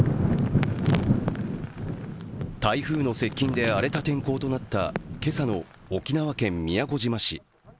台風の接近で荒れた天候となった今朝の沖縄県宮古島市。